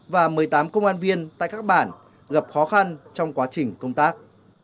và một mươi tám công an viên tại các bản gặp khó khăn trong quá trình công tác